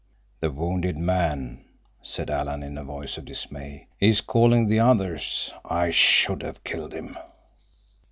"The wounded man," said Alan, in a voice of dismay. "He is calling the others. I should have killed him!"